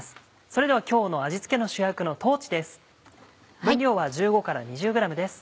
それでは今日の味付けの主役の豆です。